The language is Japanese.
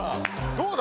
どうだ？